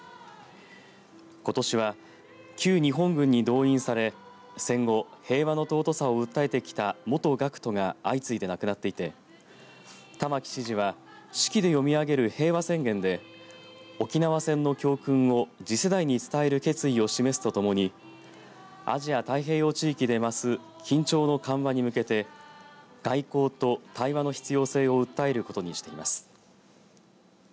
ことしは旧日本軍に動員され戦後、平和の尊さを訴えてきた元学徒が相次いで亡くなっていて玉城知事は式で読み上げる平和宣言で沖縄戦の教訓を次世代に伝える決意を示すとともにアジア太平洋地域で増す緊張の緩和に向けて外交と対話の必要性を訴えることにしています。